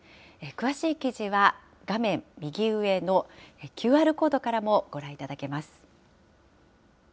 詳しい記事は、画面右上のＱＲコードからもご覧いただけます。